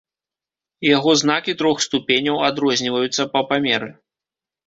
Яго знакі трох ступеняў адрозніваюцца па памеры.